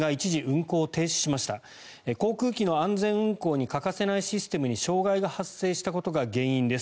航空機の安全運航に欠かせないシステムに障害が発生したことが原因です。